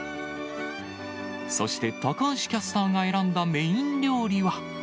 そして高橋キャスターが選んだメイン料理は。